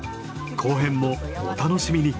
後編もお楽しみに。